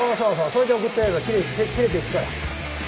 それで送ってやれば切れていくから。